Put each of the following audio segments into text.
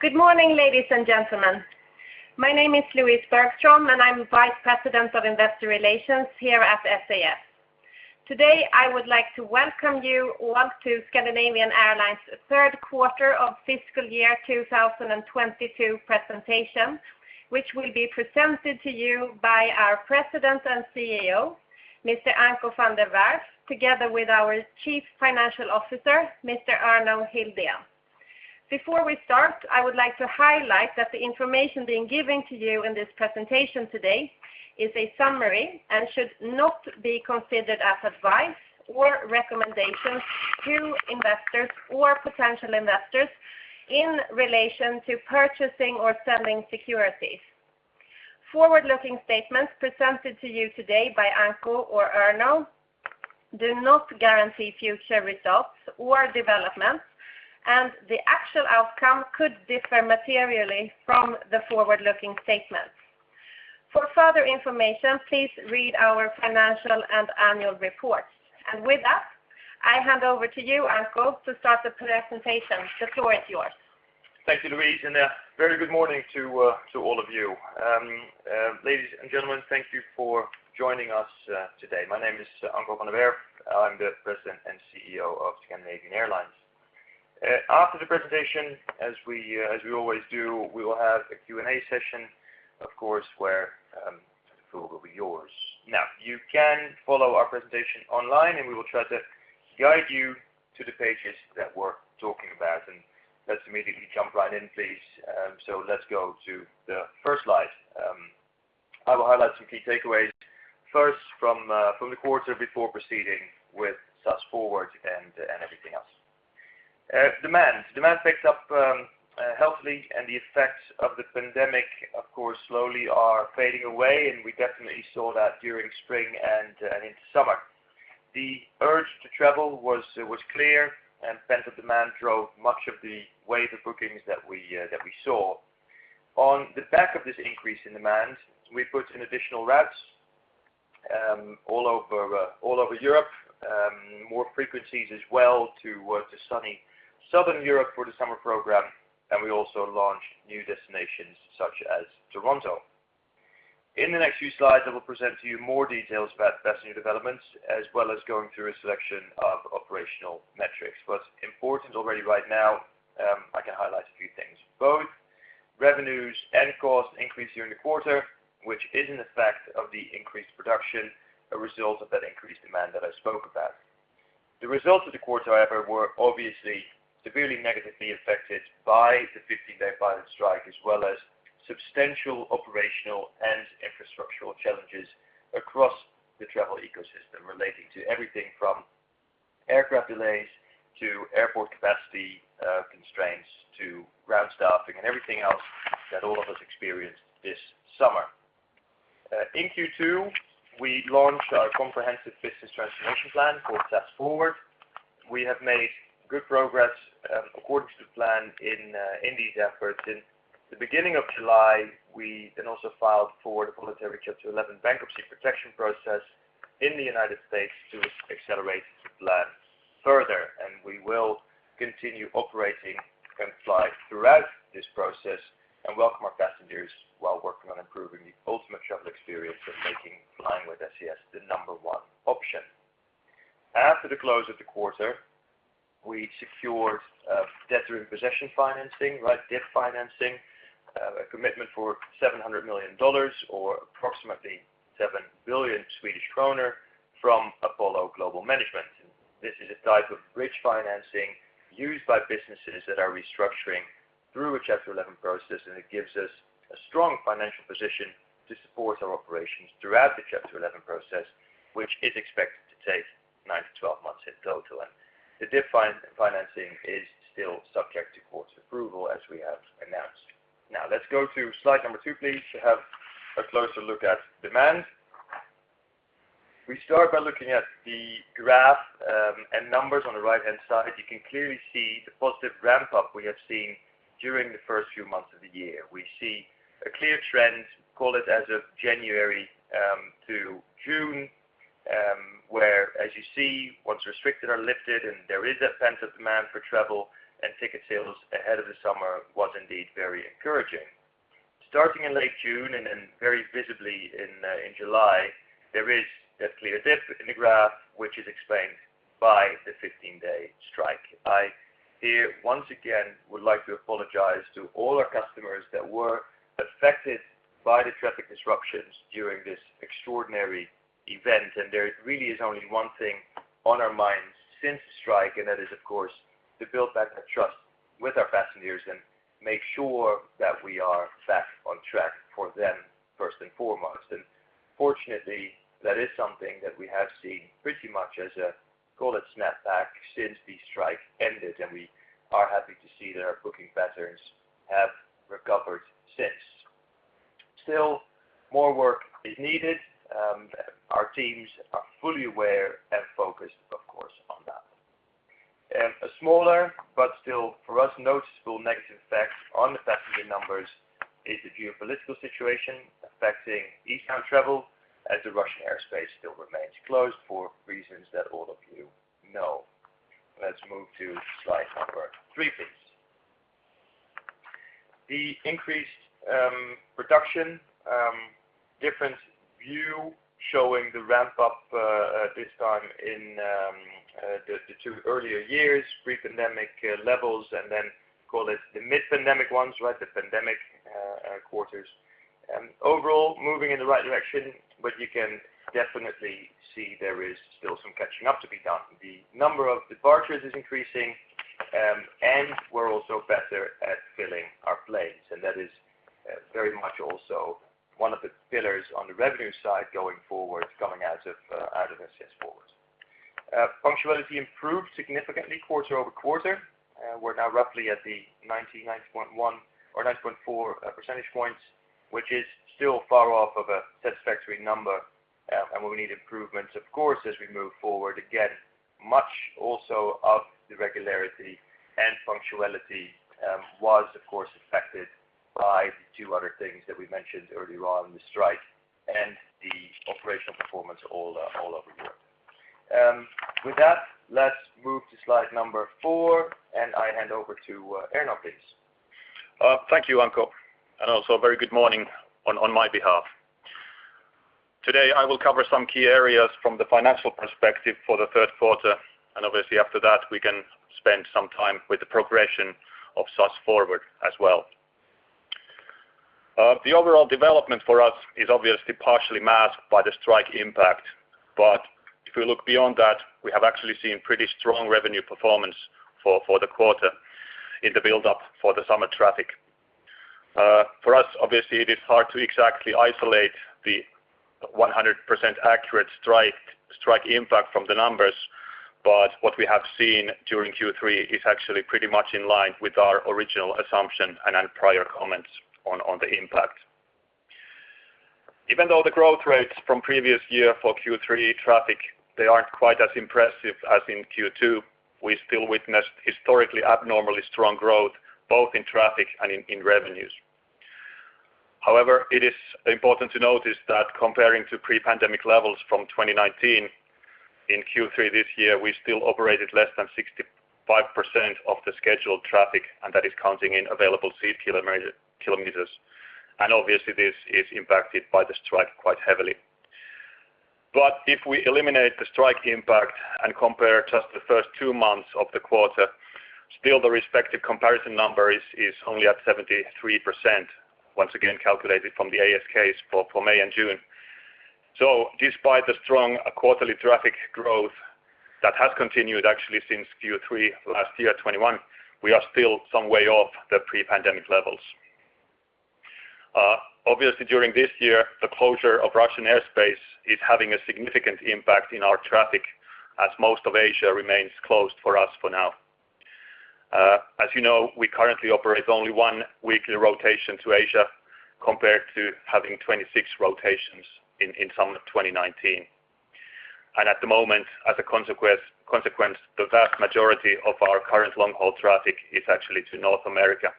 Good morning, ladies and gentlemen. My name is Louise Bergström, and I'm Vice President of Investor Relations here at SAS. Today, I would like to welcome you all to Scandinavian Airlines third quarter of fiscal year 2022 presentation, which will be presented to you by our President and CEO, Mr. Anko van der Werff, together with our Chief Financial Officer, Mr. Erno Hildén. Before we start, I would like to highlight that the information being given to you in this presentation today is a summary and should not be considered as advice or recommendations to investors or potential investors in relation to purchasing or selling securities. Forward-looking statements presented to you today by Anko or Erno do not guarantee future results or developments, and the actual outcome could differ materially from the forward-looking statements. For further information, please read our financial and annual reports. With that, I hand over to you, Anko, to start the presentation. The floor is yours. Thank you, Louise. A very good morning to all of you. Ladies and gentlemen, thank you for joining us today. My name is Anko van der Werff. I'm the President and CEO of Scandinavian Airlines. After the presentation, as we always do, we will have a Q&A session, of course, where the floor will be yours. Now, you can follow our presentation online, and we will try to guide you to the pages that we're talking about. Let's immediately jump right in, please. Let's go to the first slide. I will highlight some key takeaways first from the quarter before proceeding with SAS FORWARD and everything else. Demand. Demand picks up healthily, and the effects of the pandemic, of course, slowly are fading away, and we definitely saw that during spring and into summer. The urge to travel was clear, and pent-up demand drove much of the wave of bookings that we saw. On the back of this increase in demand, we put in additional routes all over Europe, more frequencies as well to sunny Southern Europe for the summer program. We also launched new destinations such as Toronto. In the next few slides, I will present to you more details about passenger developments as well as going through a selection of operational metrics. What's important already right now, I can highlight a few things. Both revenues and costs increased during the quarter, which is an effect of the increased production, a result of that increased demand that I spoke about. The results of the quarter, however, were obviously severely negatively affected by the 15-day pilot strike, as well as substantial operational and infrastructural challenges across the travel ecosystem relating to everything from aircraft delays to airport capacity, constraints to ground staffing and everything else that all of us experienced this summer. In Q2, we launched our comprehensive business transformation plan called SAS FORWARD. We have made good progress, according to plan in these efforts. In the beginning of July, we then also filed for the voluntary Chapter 11 Bankruptcy protection process in the United States to accelerate the plan further, and we will continue operating and fly throughout this process and welcome our passengers while working on improving the ultimate travel experience of making flying with SAS the number one option. After the close of the quarter, we secured, debtor-in-possession financing, right, DIP financing, a commitment for $700 million or approximately 7 billion Swedish kronor from Apollo Global Management. This is a type of bridge financing used by businesses that are restructuring through a Chapter 11 process, and it gives us a strong financial position to support our operations throughout the Chapter 11 process, which is expected to take nine-12 months in total. The DIP financing is still subject to court's approval as we have announced. Now let's go to slide number two, please, to have a closer look at demand. We start by looking at the graph and numbers on the right-hand side. You can clearly see the positive ramp-up we have seen during the first few months of the year. We see a clear trend, call it as of January to June, where, as you see, once restrictions are lifted and there is a pent-up demand for travel and ticket sales ahead of the summer was indeed very encouraging. Starting in late June and very visibly in July, there is a clear dip in the graph, which is explained by the 15-day strike. I would like to apologize to all our customers that were affected by the traffic disruptions during this extraordinary event. There really is only one thing on our minds since the strike, and that is, of course, to build back that trust with our passengers and make sure that we are back on track for them first and foremost. Fortunately, that is something that we have seen pretty much as a, call it, snap back since the strike ended, and we are happy to see that our booking patterns have recovered since. Still, more work is needed. Our teams are fully aware and focused, of course, on that. A smaller but still for us noticeable negative effect on the passenger numbers. Is the geopolitical situation affecting eastbound travel as the Russian airspace still remains closed for reasons that all of you know. Let's move to slide number three, please. The increased production different view showing the ramp up this time in the two earlier years, pre-pandemic levels, and then call it the mid-pandemic ones, right? The pandemic quarters. Overall moving in the right direction, but you can definitely see there is still some catching up to be done. The number of departures is increasing, and we're also better at filling our planes, and that is very much also one of the pillars on the revenue side going forward, coming out of this forward. Punctuality improved significantly quarter-over-quarter. We're now roughly at the 99.1 or 99.4 percentage points, which is still far off of a satisfactory number. We need improvements of course, as we move forward. Again, much also of the regularity and punctuality was of course affected by the two other things that we mentioned earlier on in the strike and the operational performance all over Europe. With that, let's move to slide number four, and I hand over to Erno Hildén now, please. Thank you Anko, and also a very good morning on my behalf. Today, I will cover some key areas from the financial perspective for the third quarter, and obviously after that we can spend some time with the progression of SAS FORWARD as well. The overall development for us is obviously partially masked by the strike impact. If we look beyond that, we have actually seen pretty strong revenue performance for the quarter in the buildup for the summer traffic. For us, obviously it is hard to exactly isolate the 100% accurate strike impact from the numbers, but what we have seen during Q3 is actually pretty much in line with our original assumption and prior comments on the impact. Even though the growth rates from previous year for Q3 traffic, they aren't quite as impressive as in Q2, we still witnessed historically abnormally strong growth, both in traffic and in revenues. However, it is important to notice that comparing to pre-pandemic levels from 2019, in Q3 this year, we still operated less than 65% of the scheduled traffic, and that is counting in available seat kilometers. Obviously this is impacted by the strike quite heavily. If we eliminate the strike impact and compare just the first two months of the quarter, still the respective comparison number is only at 73%, once again calculated from the ASKs for May and June. Despite the strong quarterly traffic growth that has continued actually since Q3 last year, 2021, we are still some way off the pre-pandemic levels. Obviously during this year, the closure of Russian airspace is having a significant impact in our traffic as most of Asia remains closed for us for now. As you know, we currently operate only one weekly rotation to Asia compared to having 26 rotations in summer 2019. At the moment, as a consequence, the vast majority of our current long-haul traffic is actually to North America.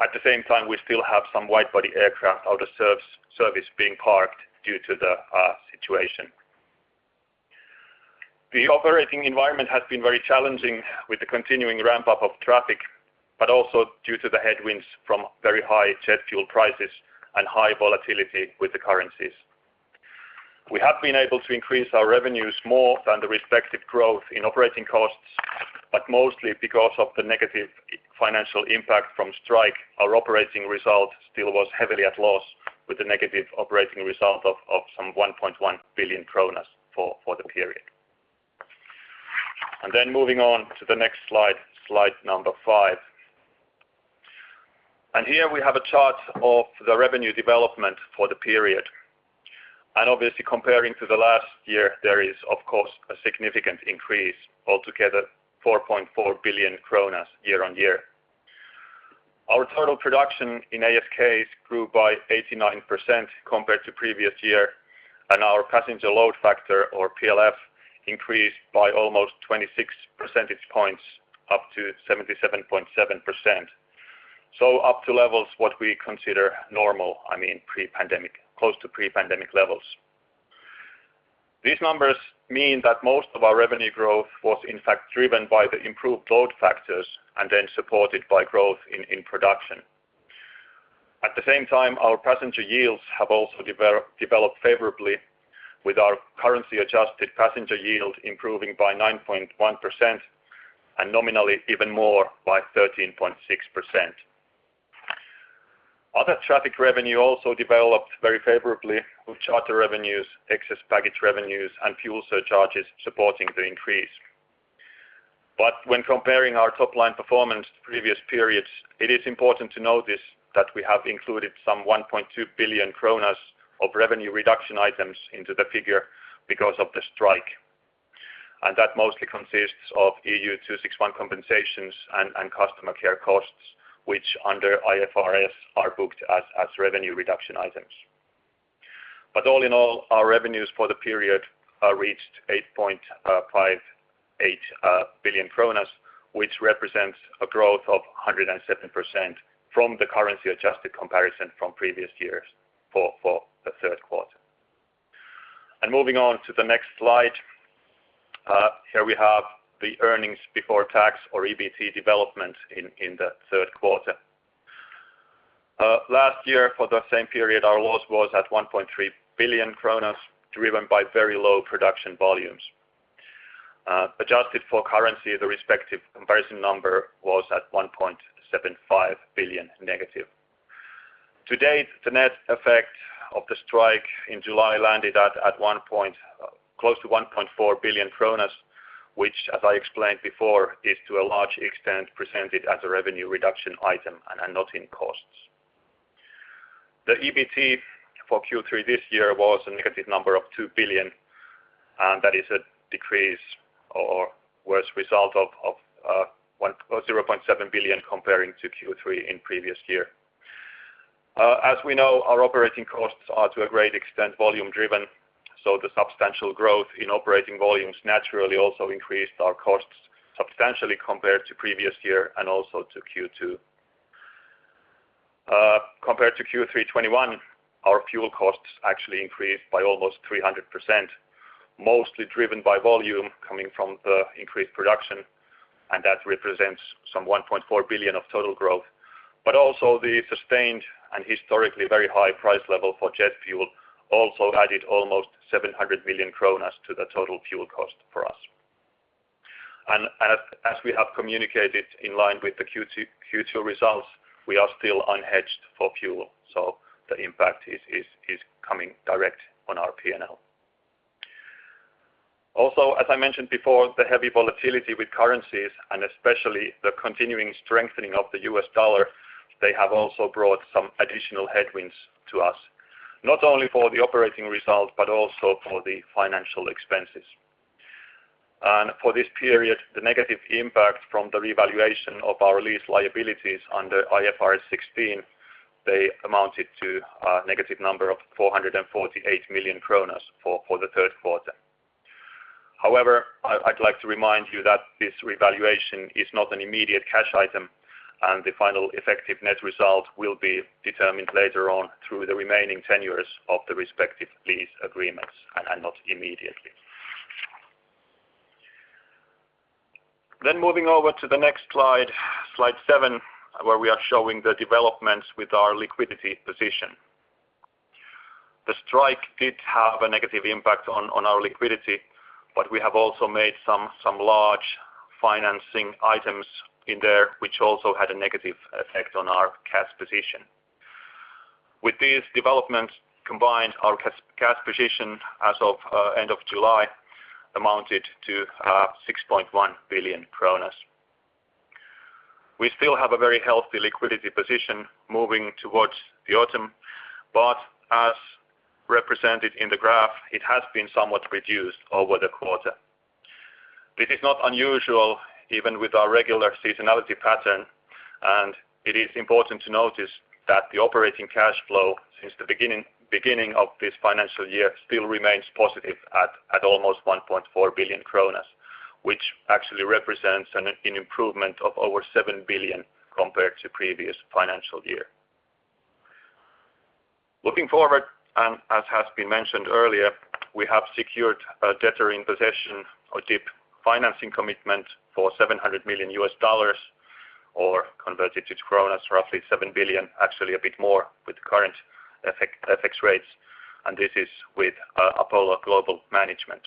At the same time, we still have some wide-body aircraft out of service being parked due to the situation. The operating environment has been very challenging with the continuing ramp up of traffic, but also due to the headwinds from very high jet fuel prices and high volatility with the currencies. We have been able to increase our revenues more than the respective growth in operating costs, but mostly because of the negative financial impact from strike, our operating result still was heavily at loss with the negative operating result of some 1.1 billion kronor for the period. Then moving on to the next slide number five. Here we have a chart of the revenue development for the period. Obviously comparing to the last year, there is of course a significant increase, altogether 4.4 billion kronor year-on-year. Our total production in ASKs grew by 89% compared to previous year, and our passenger load factor or PLF increased by almost 26 percentage points up to 77.7%. Up to levels what we consider normal, I mean pre-pandemic, close to pre-pandemic levels. These numbers mean that most of our revenue growth was in fact driven by the improved load factors and then supported by growth in production. At the same time, our passenger yields have also developed favorably with our currency adjusted passenger yield improving by 9.1% and nominally even more by 13.6%. Other traffic revenue also developed very favorably with charter revenues, excess baggage revenues, and fuel surcharges supporting the increase. When comparing our top line performance to previous periods, it is important to notice that we have included some 1.2 billion kronor of revenue reduction items into the figure because of the strike. That mostly consists of EU 261 compensations and customer care costs, which under IFRS are booked as revenue reduction items. All in all, our revenues for the period reached 8.58 billion kronor, which represents a growth of 107% from the currency-adjusted comparison from previous years for the third quarter. Moving on to the next slide, here we have the earnings before tax or EBT development in the third quarter. Last year for the same period, our loss was at 1.3 billion driven by very low production volumes. Adjusted for currency, the respective comparison number was at -1.75 billion. To date, the net effect of the strike in July landed at close to 1.4 billion kronor, which as I explained before, is to a large extent presented as a revenue reduction item and not in costs. The EBT for Q3 this year was -2 billion, and that is a decrease or was result of 0.7 billion comparing to Q3 in previous year. As we know, our operating costs are to a great extent volume driven, so the substantial growth in operating volumes naturally also increased our costs substantially compared to previous year and also to Q2. Compared to Q3 2021, our fuel costs actually increased by almost 300%, mostly driven by volume coming from the increased production, and that represents some 1.4 billion of total growth. Also the sustained and historically very high price level for jet fuel also added almost 700 million kronor to the total fuel cost for us. As we have communicated in line with the Q2 results, we are still unhedged for fuel, so the impact is coming directly on our P&L. Also, as I mentioned before, the heavy volatility with currencies and especially the continuing strengthening of the U.S. dollar, they have also brought some additional headwinds to us, not only for the operating results, but also for the financial expenses. For this period, the negative impact from the revaluation of our lease liabilities under IFRS 16, they amounted to -448 million for the third quarter. However, I'd like to remind you that this revaluation is not an immediate cash item, and the final effective net result will be determined later on through the remaining tenures of the respective lease agreements and not immediately. Moving over to the next slide seven, where we are showing the developments with our liquidity position. The strike did have a negative impact on our liquidity, but we have also made some large financing items in there, which also had a negative effect on our cash position. With these developments combined, our cash position as of end of July amounted to 6.1 billion kronor. We still have a very healthy liquidity position moving towards the autumn, but as represented in the graph, it has been somewhat reduced over the quarter. This is not unusual even with our regular seasonality pattern, and it is important to notice that the operating cash flow since the beginning of this financial year still remains positive at almost 1.4 billion kronor, which actually represents an improvement of over 7 billion compared to previous financial year. Looking forward, as has been mentioned earlier, we have secured a debtor in possession or DIP financing commitment for $700 million, or converted to kronas, roughly 7 billion, actually a bit more with current effective FX rates, and this is with Apollo Global Management.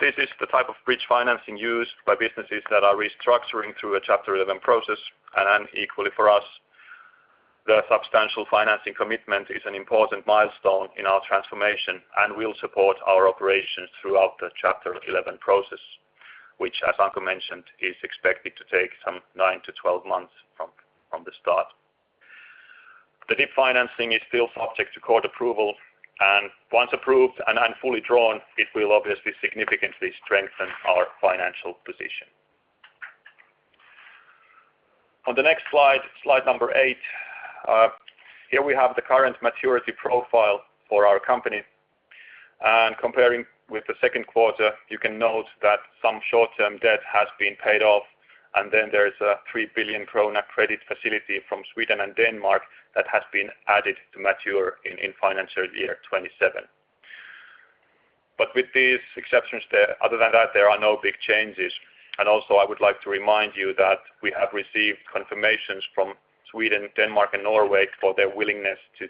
This is the type of bridge financing used by businesses that are restructuring through a Chapter 11 process and equally for us, the substantial financing commitment is an important milestone in our transformation and will support our operations throughout the Chapter 11 process, which as Anko mentioned, is expected to take some nine-12 months from the start. The DIP financing is still subject to court approval, and once approved and fully drawn, it will obviously significantly strengthen our financial position. On the next slide number eight, here we have the current maturity profile for our company. Comparing with the second quarter, you can note that some short-term debt has been paid off, and then there is a 3 billion krona credit facility from Sweden and Denmark that has been added to mature in financial year 2027. With these exceptions there, other than that, there are no big changes. Also, I would like to remind you that we have received confirmations from Sweden, Denmark, and Norway for their willingness to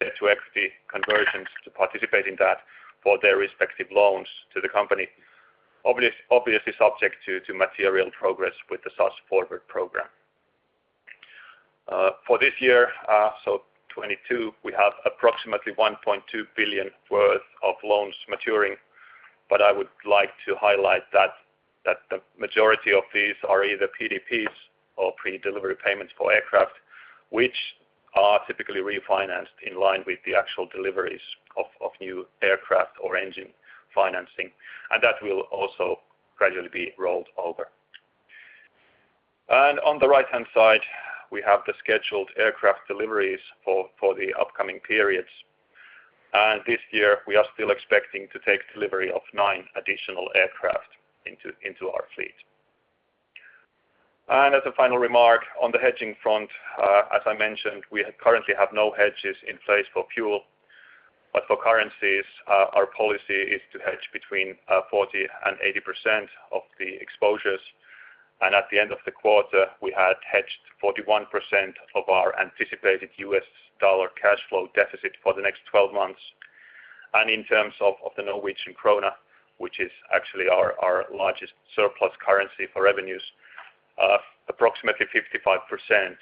debt to equity conversions to participate in that for their respective loans to the company, obviously subject to material progress with the SAS FORWARD program. For this year, so 2022, we have approximately 1.2 billion worth of loans maturing, but I would like to highlight that the majority of these are either PDPs or pre-delivery payments for aircraft, which are typically refinanced in line with the actual deliveries of new aircraft or engine financing. That will also gradually be rolled over. On the right-hand side, we have the scheduled aircraft deliveries for the upcoming periods. This year, we are still expecting to take delivery of nine additional aircraft into our fleet. As a final remark on the hedging front, as I mentioned, we currently have no hedges in place for fuel. For currencies, our policy is to hedge between 40% and 80% of the exposures. At the end of the quarter, we had hedged 41% of our anticipated U.S. dollar cash flow deficit for the next 12 months. In terms of the Norwegian krona, which is actually our largest surplus currency for revenues, approximately 55%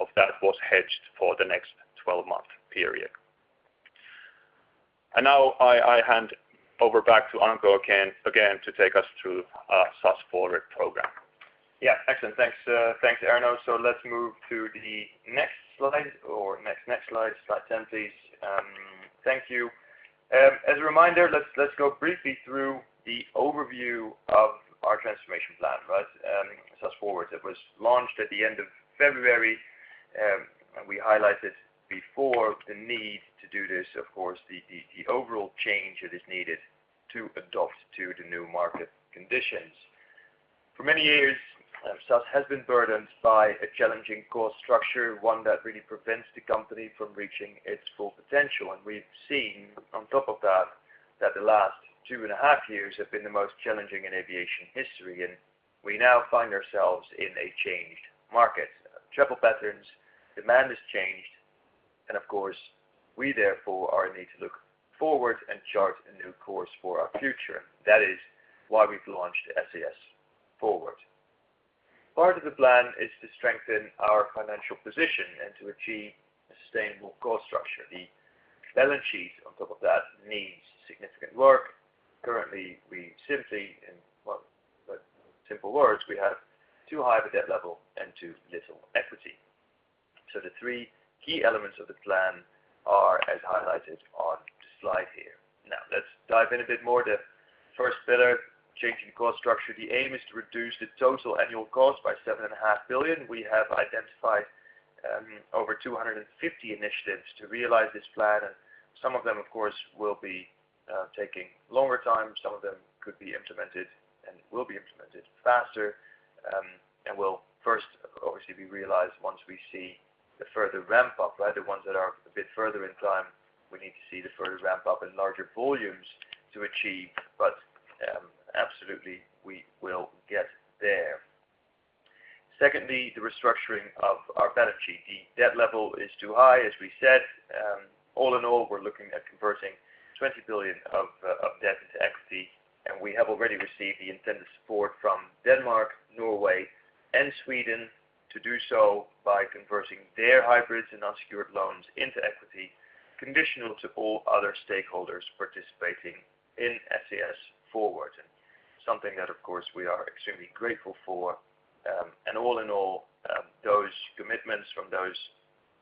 of that was hedged for the next 12-month period. Now I hand over back to Anko again to take us through our SAS FORWARD program. Yeah. Excellent. Thanks. Thanks, Erno. Let's move to the next slide. Slide 10, please. Thank you. As a reminder, let's go briefly through the overview of our transformation plan, right? SAS FORWARD. It was launched at the end of February, and we highlighted before the need to do this, of course, the overall change that is needed to adapt to the new market conditions. For many years, SAS has been burdened by a challenging cost structure, one that really prevents the company from reaching its full potential. We've seen on top of that the last two and a half years have been the most challenging in aviation history, and we now find ourselves in a changed market. Travel patterns, demand has changed, and of course, we therefore are in need to look forward and chart a new course for our future. That is why we've launched SAS FORWARD. Part of the plan is to strengthen our financial position and to achieve a sustainable cost structure. The balance sheet on top of that needs significant work. Currently, we simply, well, simple words, we have too high of a debt level and too little equity. The three key elements of the plan are as highlighted on the slide here. Now let's dive in a bit more. The first pillar, changing cost structure. The aim is to reduce the total annual cost by 7.5 billion. We have identified over 250 initiatives to realize this plan, and some of them, of course, will be taking longer time. Some of them could be implemented and will be implemented faster, and will first obviously be realized once we see the further ramp up, right? The ones that are a bit further in time, we need to see the further ramp up in larger volumes to achieve. Absolutely, we will get there. Secondly, the restructuring of our balance sheet. The debt level is too high, as we said. All in all, we're looking at converting 20 billion of debt-into-equity, and we have already received the intended support from Denmark, Norway, and Sweden to do so by converting their hybrids and unsecured loans into equity, conditional to all other stakeholders participating in SAS FORWARD. Something that of course, we are extremely grateful for, and all in all, those commitments from those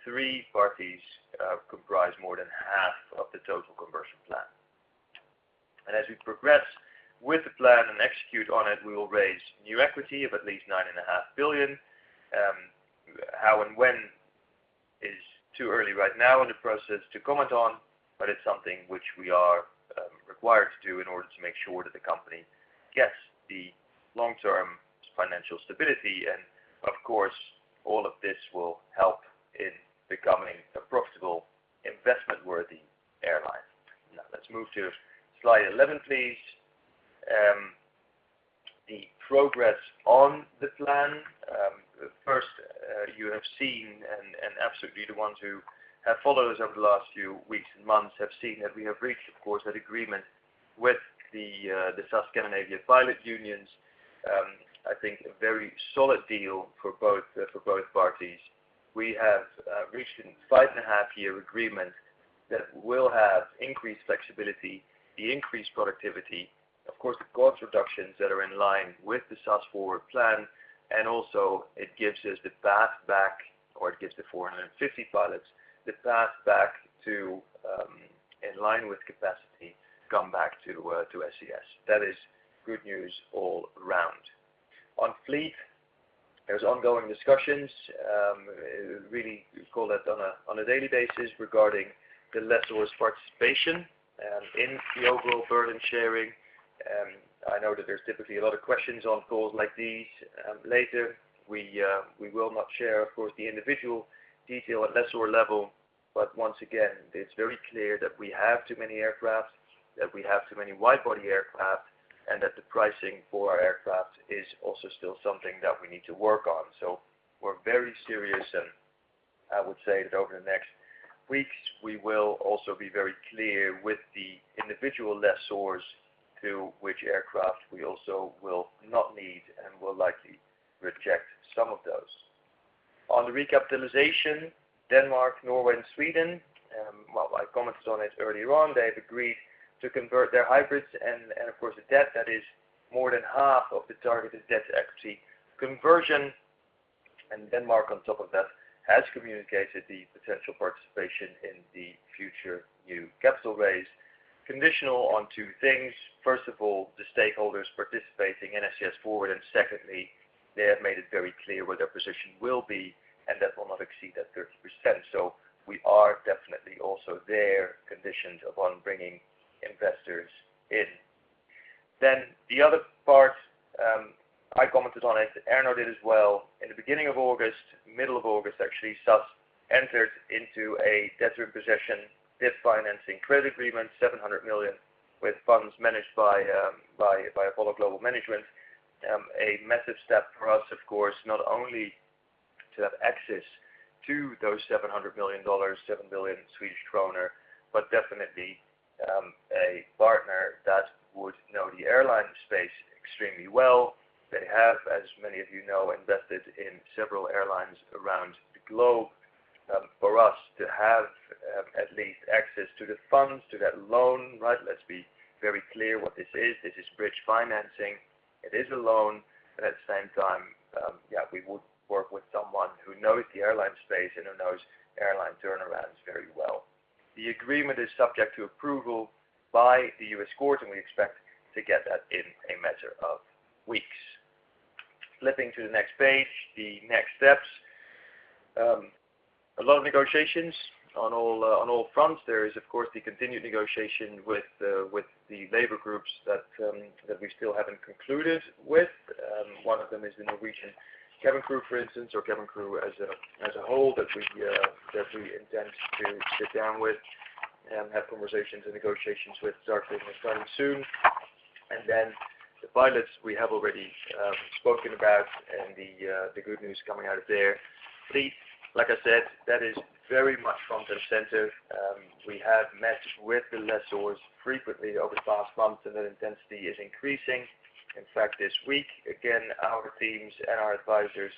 three parties, comprise more than half of the total conversion plan. As we progress with the plan and execute on it, we will raise new equity of at least 9.5 billion. How and when is too early right now in the process to comment on, but it's something which we are, required to do in order to make sure that the company gets the long-term financial stability. Of course, all of this will help in becoming a profitable investment-worthy airline. Now let's move to slide 11, please. The progress on the plan. First, you have seen and absolutely the ones who have followed us over the last few weeks and months have seen that we have reached, of course, that agreement with the SAS Scandinavian pilot unions. I think a very solid deal for both parties. We have reached a five and a half-year agreement that will have increased flexibility, the increased productivity, of course, the cost reductions that are in line with the SAS FORWARD plan, and also it gives us the path back, or it gives the 450 pilots the path back to, in line with capacity, come back to SAS. That is good news all round. On fleet, there's ongoing discussions, really call that on a daily basis regarding the lessors' participation, in the overall burden sharing. I know that there's typically a lot of questions on calls like these later. We will not share, of course, the individual detail at lessor level, but once again, it's very clear that we have too many aircraft, that we have too many wide-body aircraft, and that the pricing for our aircraft is also still something that we need to work on. We're very serious, and I would say that over the next weeks, we will also be very clear with the individual lessors to which aircraft we also will not need and will likely reject some of those. On the recapitalization, Denmark, Norway, and Sweden, I commented on it earlier on. They've agreed to convert their hybrids and, of course, the debt that is more than half of the targeted debt equity conversion. Denmark on top of that has communicated the potential participation in the future new capital raise, conditional on two things. First of all, the stakeholders participating in SAS FORWARD, and secondly, they have made it very clear what their position will be, and that will not exceed that 30%. We are definitely also there conditioned upon bringing investors in. The other part, I commented on it, Erno did as well. In the beginning of August, middle of August, actually, SAS entered into a debtor-in-possession financing credit agreement, $700 million with funds managed by Apollo Global Management. A massive step for us, of course, not only to have access to those $700 million, 7 billion Swedish kronor, but definitely a partner that would know the airline space extremely well. They have, as many of you know, invested in several airlines around the globe. For us to have at least access to the funds, to that loan, right? Let's be very clear what this is. This is bridge financing. It is a loan, but at the same time, yeah, we would work with someone who knows the airline space and who knows airline turnarounds very well. The agreement is subject to approval by the U.S. court, and we expect to get that in a matter of weeks. Flipping to the next page, the next steps. A lot of negotiations on all fronts. There is, of course, the continued negotiation with the labor groups that we still haven't concluded with. One of them is the Norwegian cabin crew, for instance, or cabin crew as a whole, that we intend to sit down with and have conversations and negotiations with starting soon. The pilots we have already spoken about and the good news coming out of there. Fleet, like I said, that is very much front and center. We have met with the lessors frequently over the past month, and that intensity is increasing. In fact, this week, again, our teams and our advisors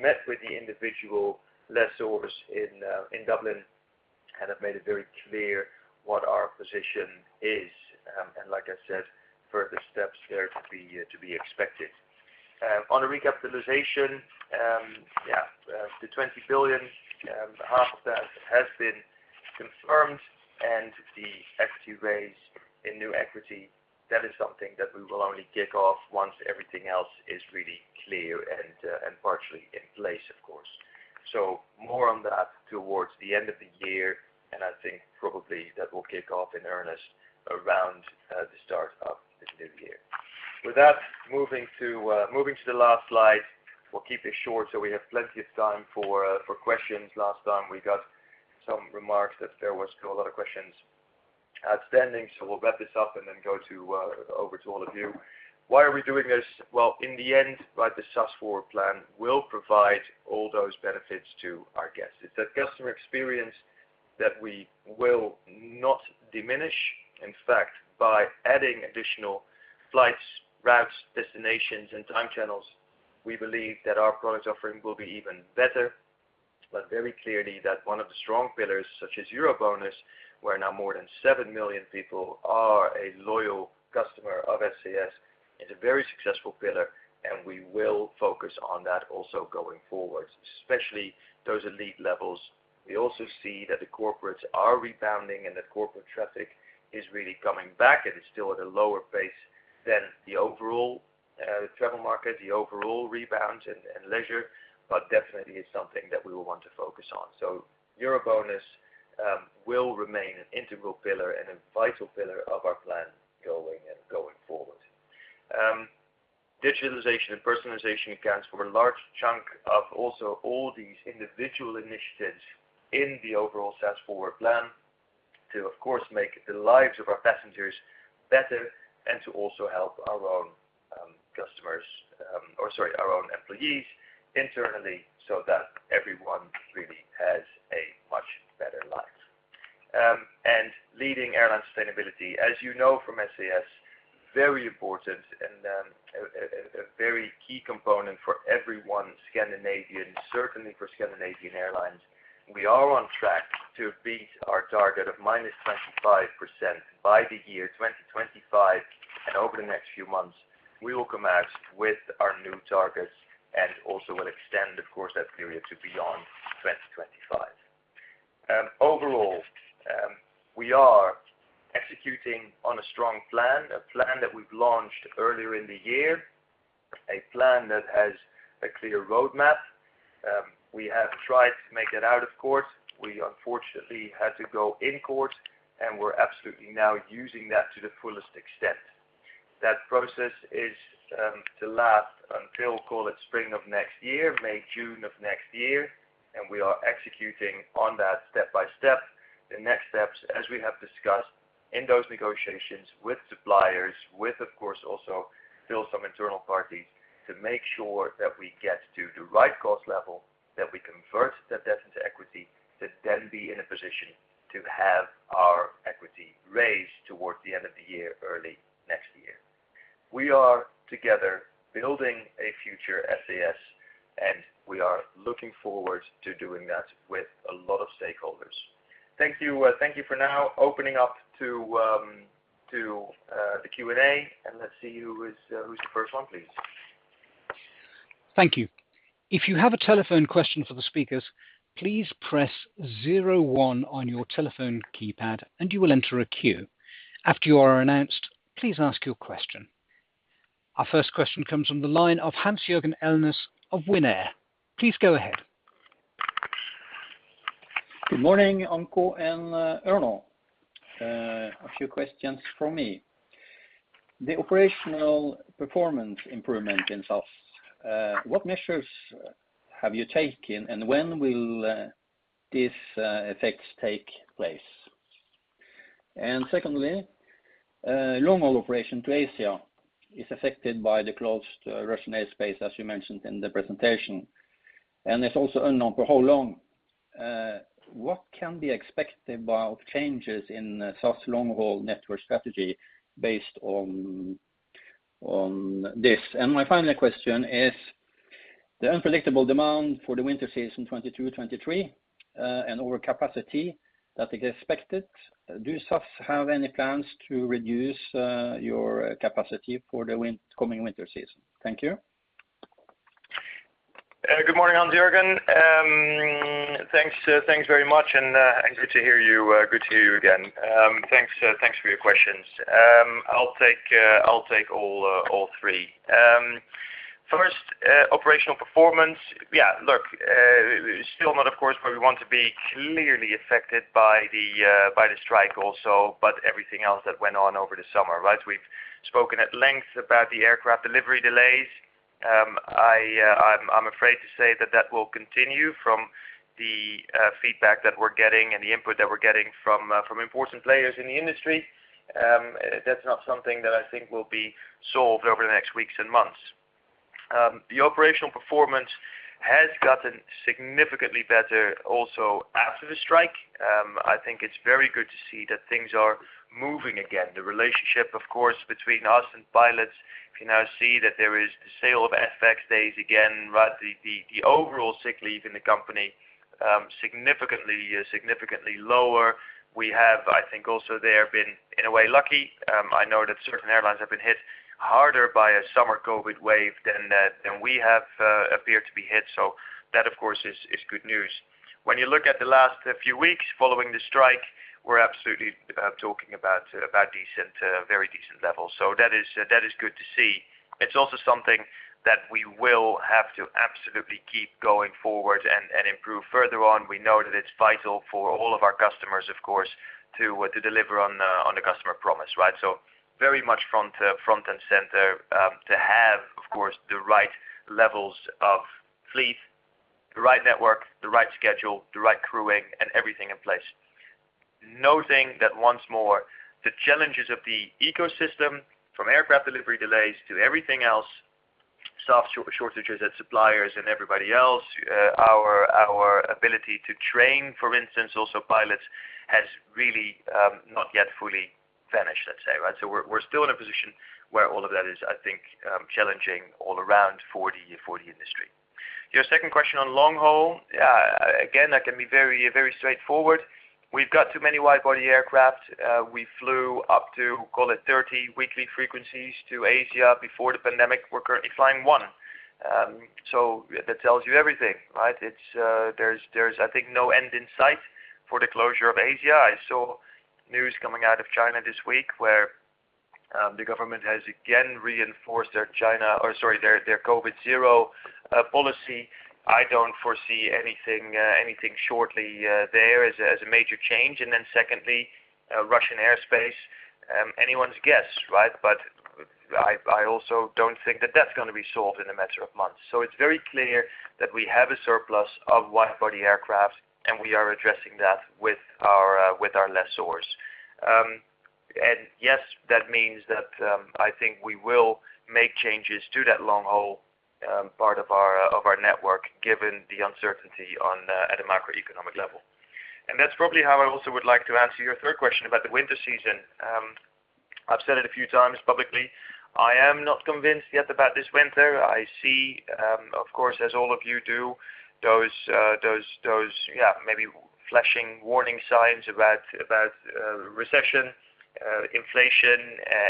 met with the individual lessors in Dublin and have made it very clear what our position is. Like I said, further steps there to be expected. On the recapitalization, yeah, the 20 billion, half of that has been confirmed and the equity raise in new equity, that is something that we will only kick off once everything else is really clear and partially in place, of course. More on that towards the end of the year, and I think probably that will kick off in earnest around the start of the new year. With that, moving to the last slide. We'll keep this short, so we have plenty of time for questions. Last time we got some remarks that there was still a lot of questions outstanding, so we'll wrap this up and then go over to all of you. Why are we doing this? Well, in the end, right, the SAS FORWARD plan will provide all those benefits to our guests. It's that customer experience that we will not diminish. In fact, by adding additional flights, routes, destinations, and time channels, we believe that our product offering will be even better, but very clearly that one of the strong pillars, such as EuroBonus, where now more than 7 million people are a loyal customer of SAS, is a very successful pillar, and we will focus on that also going forward, especially those elite levels. We also see that the corporates are rebounding and that corporate traffic is really coming back, and it's still at a lower pace than the overall travel market, the overall rebound in leisure, but definitely is something that we will want to focus on. EuroBonus will remain an integral pillar and a vital pillar of our plan going forward. Digitalization and personalization accounts for a large chunk of also all these individual initiatives in the overall SAS FORWARD plan to, of course, make the lives of our passengers better and to also help our own customers, or sorry, our own employees internally so that everyone really has a much better life. Leading airline sustainability, as you know from SAS, very important and a very key component for everyone Scandinavian, certainly for Scandinavian Airlines. We are on track to beat our target of -25% by the year 2025. Over the next few months, we will come out with our new targets and also will extend, of course, that period to beyond 2025. Overall, we are executing on a strong plan, a plan that we've launched earlier in the year, a plan that has a clear roadmap. We have tried to make it out of court. We unfortunately had to go in court, and we're absolutely now using that to the fullest extent. That process is to last until, call it spring of next year, May, June of next year, and we are executing on that step by step. The next steps, as we have discussed in those negotiations with suppliers, with of course also still some internal parties, to make sure that we get to the right cost level, that we convert that debt into equity, to then be in a position to have our equity raised towards the end of the year, early next year. We are together building a future SAS, and we are looking forward to doing that with a lot of stakeholders. Thank you. Thank you for now opening up to the Q&A, and let's see who's the first one, please. Thank you. If you have a telephone question for the speakers, please press zero one on your telephone keypad, and you will enter a queue. After you are announced, please ask your question. Our first question comes from the line of Hans Jørgen Elnæs of Winair. Please go ahead. Good morning, Anko and Erno. A few questions from me. The operational performance improvement in SAS, what measures have you taken, and when will these effects take place? Secondly, long-haul operation to Asia is affected by the closed Russian airspace, as you mentioned in the presentation, and it's also unknown for how long. What can be expected about changes in SAS long-haul network strategy based on this? My final question is the unpredictable demand for the winter season 2022, 2023, and over capacity that is expected. Do SAS have any plans to reduce your capacity for the upcoming winter season? Thank you. Good morning, Hans Jørgen. Thanks very much, and good to hear you again. Thanks for your questions. I'll take all three. First, operational performance. Yeah, look, still not, of course, where we want to be clearly affected by the strike also, but everything else that went on over the summer, right? We've spoken at length about the aircraft delivery delays. I'm afraid to say that will continue from the feedback that we're getting and the input that we're getting from important players in the industry. That's not something that I think will be solved over the next weeks and months. The operational performance has gotten significantly better also after the strike. I think it's very good to see that things are moving again. The relationship, of course, between us and pilots, you now see that there is the sale of FX days again, right? The overall sick leave in the company significantly lower. We have, I think, also there been, in a way, lucky. I know that certain airlines have been hit harder by a summer COVID wave than we have appeared to be hit. That, of course, is good news. When you look at the last few weeks following the strike, we're absolutely talking about very decent levels. That is good to see. It's also something that we will have to absolutely keep going forward and improve further on. We know that it's vital for all of our customers, of course, to deliver on the customer promise, right? Very much front and center to have, of course, the right levels of fleet, the right network, the right schedule, the right crewing, and everything in place. Noting that once more, the challenges of the ecosystem, from aircraft delivery delays to everything else, staff shortages at suppliers and everybody else, our ability to train, for instance, also pilots, has really not yet fully vanished, let's say, right? We're still in a position where all of that is, I think, challenging all around for the industry. Your second question on long haul, again, that can be very straightforward. We've got too many wide-body aircraft. We flew up to, call it, 30 weekly frequencies to Asia before the pandemic. We're currently flying one. That tells you everything, right? It's, there's, I think, no end in sight for the closure of Asia. I saw news coming out of China this week where the government has again reinforced their COVID-zero policy. I don't foresee anything shortly there as a major change. Secondly, Russian airspace, anyone's guess, right? I also don't think that that's gonna be solved in a matter of months. It's very clear that we have a surplus of wide-body aircraft, and we are addressing that with our lessors. Yes, that means that, I think we will make changes to that long haul part of our network, given the uncertainty at a macroeconomic level. That's probably how I also would like to answer your third question about the winter season. I've said it a few times publicly. I am not convinced yet about this winter. I see, of course, as all of you do, those yeah, maybe flashing warning signs about recession, inflation,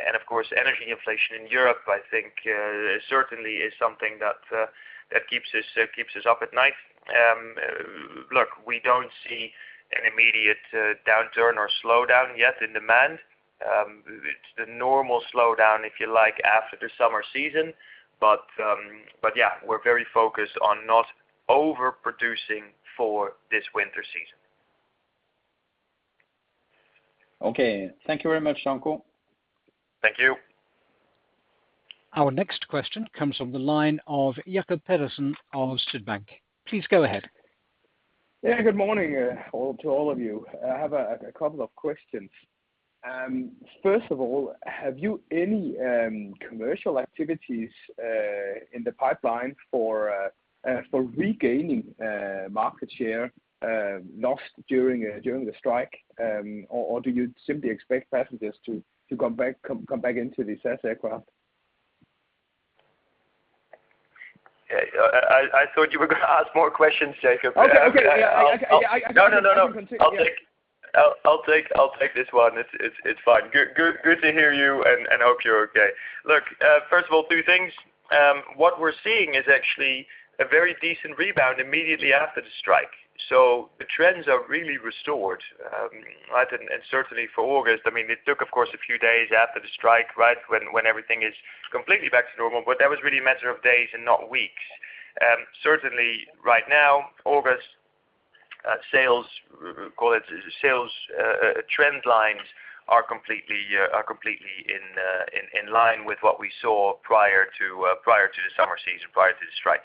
and of course, energy inflation in Europe, I think, certainly is something that keeps us up at night. Look, we don't see an immediate downturn or slowdown yet in demand. It's the normal slowdown, if you like, after the summer season. Yeah, we're very focused on not overproducing for this winter season. Okay. Thank you very much, Anko. Thank you. Our next question comes from the line of Jacob Pedersen of Sydbank. Please go ahead. Yeah, good morning, all, to all of you. I have a couple of questions. First of all, have you any commercial activities in the pipeline for regaining market share lost during the strike? Or do you simply expect passengers to come back into the SAS aircraft? I thought you were gonna ask more questions, Jacob. Okay. Yeah. I No. I'll take this one. It's fine. Good to hear you and hope you're okay. Look, first of all, two things. What we're seeing is actually a very decent rebound immediately after the strike. The trends are really restored. I think, and certainly for August, I mean, it took, of course, a few days after the strike, right? When everything is completely back to normal, but that was really a matter of days and not weeks. Certainly right now, August, sales, call it sales, trend lines are completely in line with what we saw prior to the summer season, prior to the strike.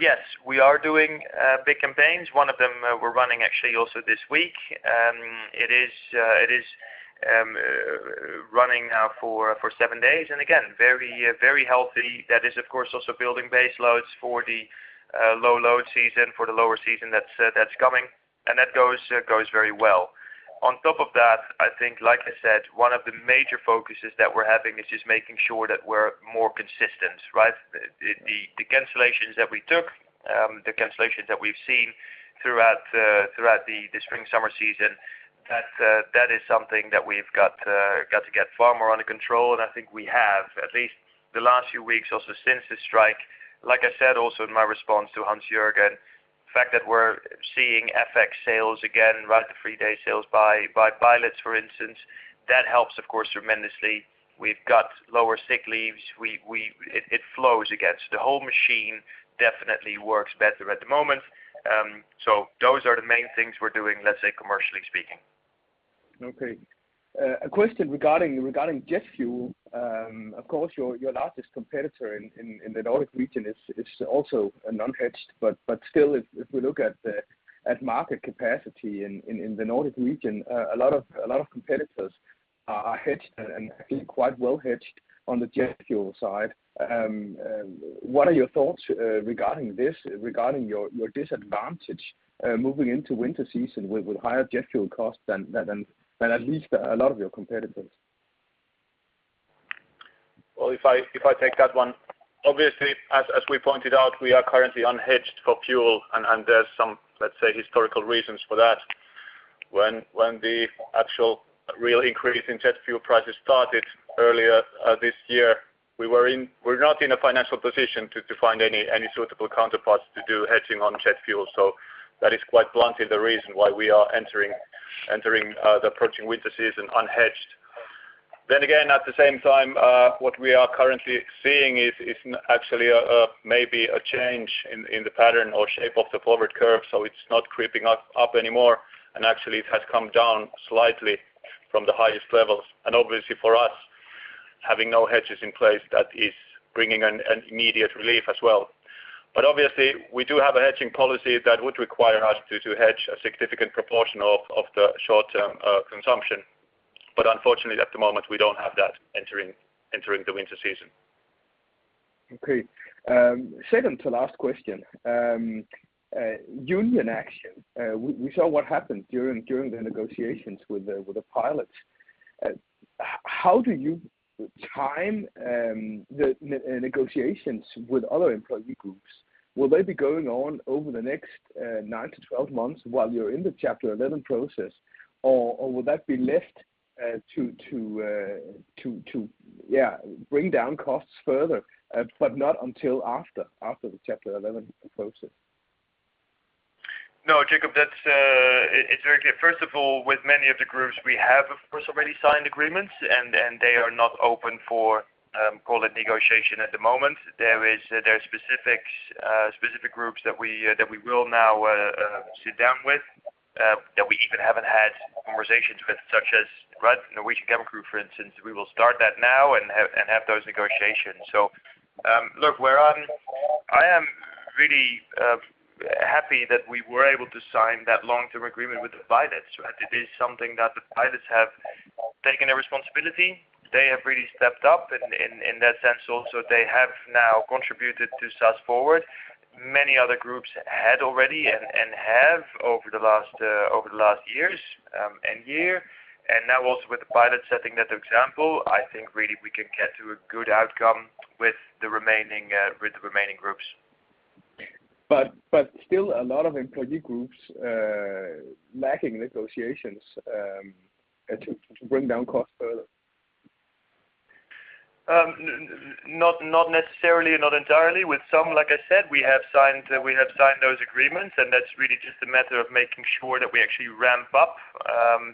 Yes, we are doing big campaigns. One of them, we're running actually also this week. It is running now for seven days. Again, very healthy. That is, of course, also building base loads for the low load season, for the lower season that's coming, and that goes very well. On top of that, I think, like I said, one of the major focuses that we're having is just making sure that we're more consistent, right? The cancellations that we took, the cancellations that we've seen throughout the spring-summer season, that is something that we've got to get far more under control, and I think we have, at least the last few weeks also since the strike. Like I said, also in my response to Hans Jørgen, the fact that we're seeing FX sales again, right, the three-day sales by pilots, for instance, that helps, of course, tremendously. We've got lower sick leaves. It flows again. The whole machine definitely works better at the moment. Those are the main things we're doing, let's say, commercially speaking. Okay. A question regarding jet fuel. Of course, your largest competitor in the Nordic region is also a non-hedged, but still if we look at market capacity in the Nordic region, a lot of competitors are hedged and I think quite well hedged on the jet fuel side. What are your thoughts regarding this, your disadvantage moving into winter season with higher jet fuel costs than at least a lot of your competitors? Well, if I take that one, obviously, as we pointed out, we are currently unhedged for fuel, and there's some, let's say, historical reasons for that. When the actual real increase in jet fuel prices started earlier this year, we're not in a financial position to find any suitable counterparties to do hedging on jet fuel. That is quite bluntly the reason why we are entering the approaching winter season unhedged. At the same time, what we are currently seeing is actually maybe a change in the pattern or shape of the forward curve, so it's not creeping up anymore, and actually it has come down slightly from the highest levels. Obviously for us, having no hedges in place, that is bringing an immediate relief as well. Obviously we do have a hedging policy that would require us to hedge a significant proportion of the short-term consumption. Unfortunately at the moment, we don't have that entering the winter season. Okay. Second to last question. Union action. We saw what happened during the negotiations with the pilots. How do you time the negotiations with other employee groups? Will they be going on over the next nine to twelve months while you're in the Chapter 11 process? Or will that be left to bring down costs further, but not until after the Chapter 11 process? No, Jacob, that's, it's very clear. First of all, with many of the groups, we have, of course, already signed agreements, and they are not open for, call it negotiation at the moment. There are specific groups that we will now sit down with that we even haven't had conversations with, such as, right, Norwegian cabin crew, for instance. We will start that now and have those negotiations. Look, I am really happy that we were able to sign that long-term agreement with the pilots, right? It is something that the pilots have taken a responsibility. They have really stepped up in that sense also. They have now contributed to SAS FORWARD. Many other groups had already and have over the last years and year. Now also with the pilots setting that example, I think really we can get to a good outcome with the remaining groups. Still a lot of employee groups lacking negotiations to bring down costs further. Not necessarily, not entirely. With some, like I said, we have signed those agreements, and that's really just a matter of making sure that we actually ramp up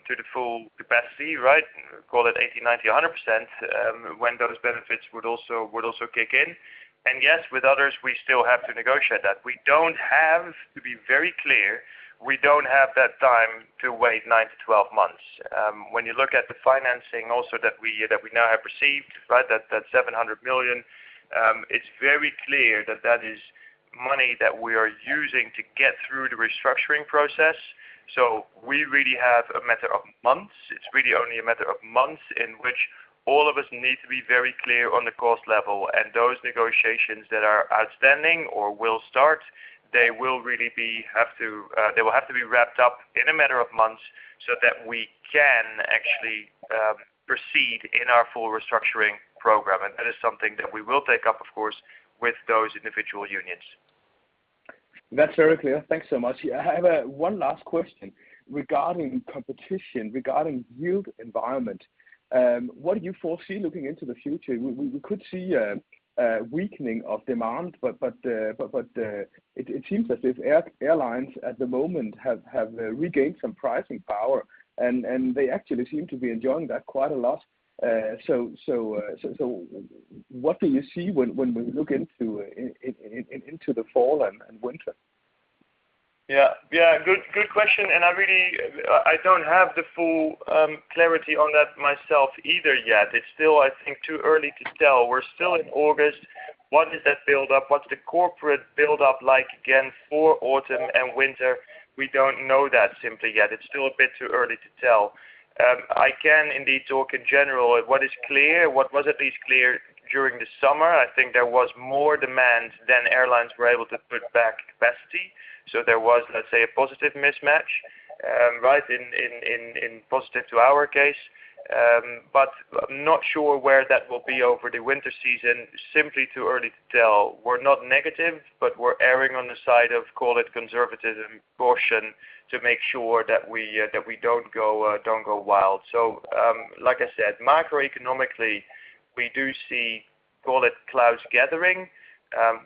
to the full capacity, right? Call it 80%, 90%, 100%, when those benefits would also kick in. Yes, with others, we still have to negotiate that. We don't have, to be very clear, we don't have that time to wait nine-12 months. When you look at the financing also that we now have received, right, that $700 million, it's very clear that that is money that we are using to get through the restructuring process. We really have a matter of months. It's really only a matter of months in which all of us need to be very clear on the cost level, and those negotiations that are outstanding or will start, they will really have to be wrapped up in a matter of months so that we can actually proceed in our full restructuring program. That is something that we will take up, of course, with those individual unions. That's very clear. Thanks so much. I have one last question regarding competition, regarding yield environment. What do you foresee looking into the future? We could see a weakening of demand, but it seems that the airlines at the moment have regained some pricing power, and they actually seem to be enjoying that quite a lot. What do you see when we look into the fall and winter? Yeah. Good question. I don't have the full clarity on that myself either yet. It's still, I think, too early to tell. We're still in August. What is that build up? What's the corporate build up like again for autumn and winter? We don't know that simply yet. It's still a bit too early to tell. I can indeed talk in general. What is clear, what was at least clear during the summer, I think there was more demand than airlines were able to put back capacity. There was, let's say, a positive mismatch, right, in positive to our case, but I'm not sure where that will be over the winter season. Simply too early to tell. We're not negative, but we're erring on the side of, call it conservative position to make sure that we don't go wild. Like I said, macroeconomically, we do see, call it clouds gathering.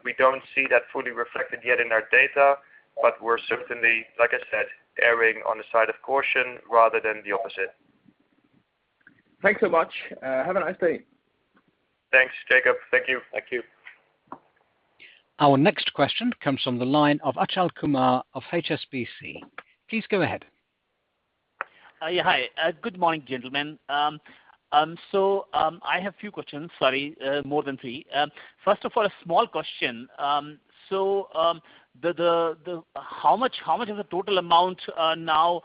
We don't see that fully reflected yet in our data, but we're certainly, like I said, erring on the side of caution rather than the opposite. Thanks so much. Have a nice day. Thanks, Jacob. Thank you. Thank you. Our next question comes from the line of Achal Kumar of HSBC. Please go ahead. Hi. Good morning, gentlemen. I have a few questions, sorry, more than three. First of all, a small question. How much is the total amount now